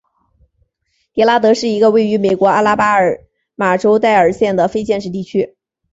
迪拉德是一个位于美国阿拉巴马州戴尔县的非建制地区。